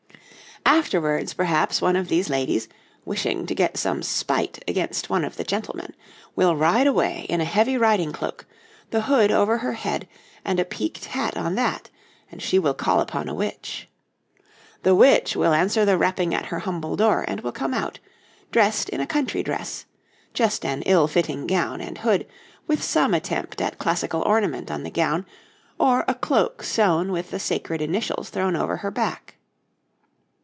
Afterwards, perhaps one of these ladies, wishing to get some spite against one of the gentlemen, will ride away in a heavy riding cloak, the hood over her head and a peaked hat on that, and she will call upon a witch. The witch will answer the rapping at her humble door, and will come out, dressed in a country dress just an ill fitting gown and hood, with some attempt at classical ornament on the gown, or a cloak sewn with the sacred initials thrown over her back.